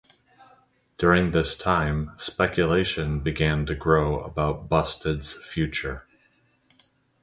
During this time, speculation began to grow about Busted's future.